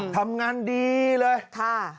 ทำงานดีเลย